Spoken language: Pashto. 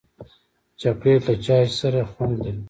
چاکلېټ له چای سره خوند لري.